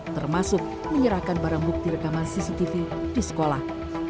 termasuk menyerahkan barang bukti rekaman cctv di sekolah